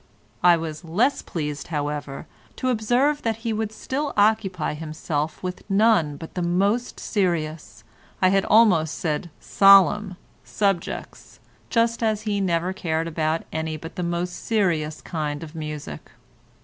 I was less pleased, however, to observe that he would still occupy himself with none but the most serious, I had almost said solemn, subjects, just as he never cared about any but the most serious kind of music.